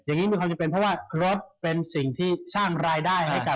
อย่างนี้มีความจำเป็นเพราะว่ารถเป็นสิ่งที่สร้างรายได้ให้กับ